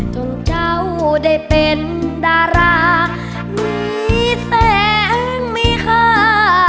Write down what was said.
จงเจ้าได้เป็นดารามีแสงมีค่า